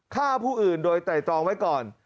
ฆ่าผู้อื่นโดยไตรตรองไว้ก่อน